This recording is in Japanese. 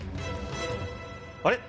あれ？